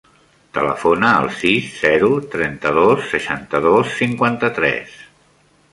Telefona al sis, zero, trenta-dos, seixanta-dos, cinquanta-tres.